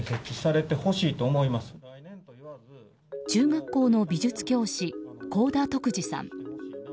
中学校の美術教師好田得二さん。